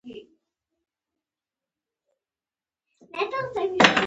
ښه انسان د بل چا په کار کي کار نلري .